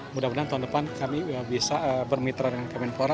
mudah mudahan tahun depan kami bisa bermitra dengan kemenpora